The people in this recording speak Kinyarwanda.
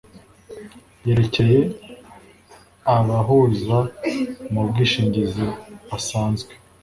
yerekeye abahuza mu bwishingizi basanzwe